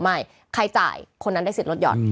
ไม่ใครจ่ายคนนั้นได้สิทธิลดหย่อน